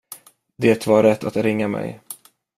Det var rätt att ringa mig.